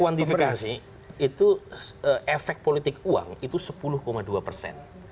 jadi saya kuantifikasi itu efek politik uang itu sepuluh dua persen